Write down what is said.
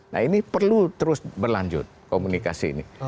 nah ini perlu terus berlanjut komunikasi ini